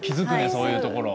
そういうところ。